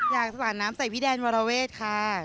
อยากสาดน้ำใส่พี่แดนวรเวศค่ะ